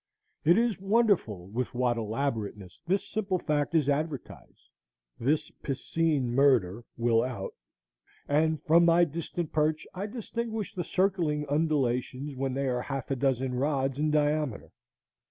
It is wonderful with what elaborateness this simple fact is advertised,—this piscine murder will out,—and from my distant perch I distinguish the circling undulations when they are half a dozen rods in diameter.